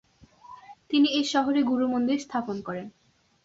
তিনি এই শহরে গুরু মন্দির স্থাপন করেন।